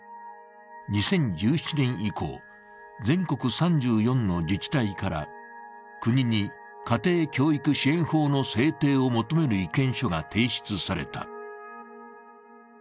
２０１７年以降、全国３４の自治体から国に家庭教育支援法の制定を求める意見書が提出された。